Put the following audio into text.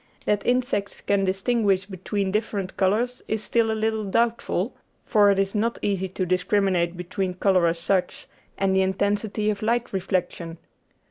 That insects can distinguish between different colours is still a little doubtful, for it is not easy to discriminate between colour as such and the intensity of light reflection.